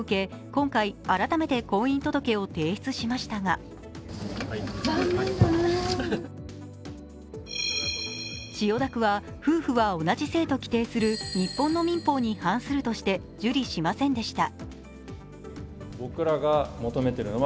今回、改めて婚姻届を提出しましたが千代田区は、夫婦は同じ姓と規定する日本の民法に反するとして受理しませんでした。